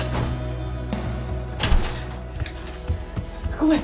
ごめん！